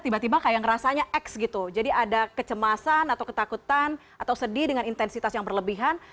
tiba tiba kayak ngerasanya x gitu jadi ada kecemasan atau ketakutan atau sedih dengan intensitas yang berlebihan